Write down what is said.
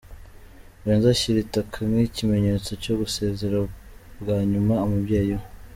Benzo ashyira itaka nk'ikimenyetso cyo gusezera bwa nyuma umubyeyi we.